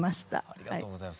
ありがとうございます。